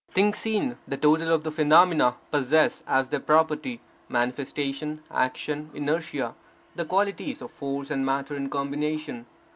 Things seen, the total of the phenomena, possess as their property, manifestation, action, inertia: the qualities of force and matter in combination.